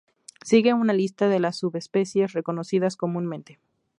Sigue una lista de las subespecies reconocidas comúnmente.